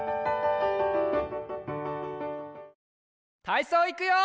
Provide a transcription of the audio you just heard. たいそういくよ！